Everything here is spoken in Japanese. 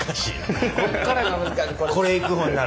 これいくほんなら。